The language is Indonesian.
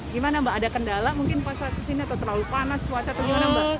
gimana mbak ada kendala mungkin pas saat kesini atau terlalu panas cuaca atau gimana mbak